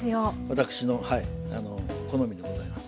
私の好みでございます。